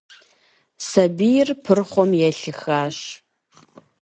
Сабийр пырхъуэм елъыхащ.